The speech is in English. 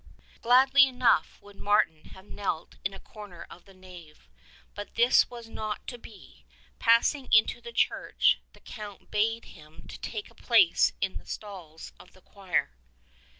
Gladly enough would Martin have knelt in a corner of the nave, but this was not to be. Passing into the church the Count bade him take a place in the stalls of the choir.